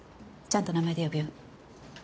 ちゃんと名前で呼ぶように。